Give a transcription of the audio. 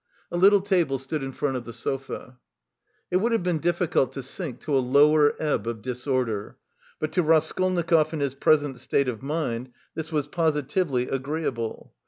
A little table stood in front of the sofa. It would have been difficult to sink to a lower ebb of disorder, but to Raskolnikov in his present state of mind this was positively agreeable.